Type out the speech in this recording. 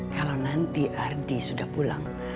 kalau nanti ardi sudah pulang